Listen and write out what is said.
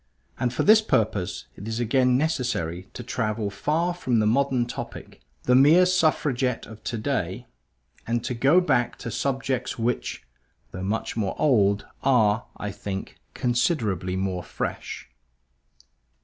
And for this purpose it is again necessary to travel far from the modern topic, the mere Suffragette of today, and to go back to subjects which, though much more old, are, I think, considerably more fresh.